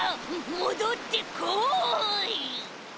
もどってこい！